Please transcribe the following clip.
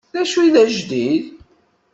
D acu i d ajdid?